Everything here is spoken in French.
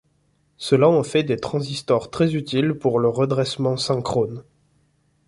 Cela en fait des transistors très utiles pour le redressement synchrone.